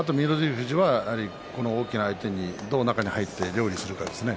富士は大きな相手にどうやって中に入って料理をするかですね。